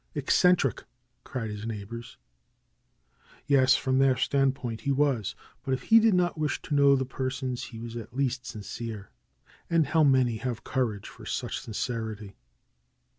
Eccentric! cried his neighbors. Yes, from their standpoint he was. But if he did not wish to know the persons he was at least sincere. And how many have courage for such sincerity?